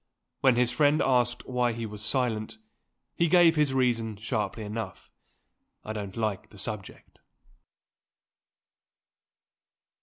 When his friend asked why he was silent, he gave his reason sharply enough: "I don't like the subject."